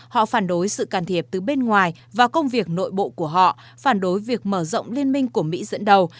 họ phản đối sự can thiệp từ bên ngoài vào công việc nội bộ của họ phản đối việc mở rộng liên minh của mỹ dẫn đầu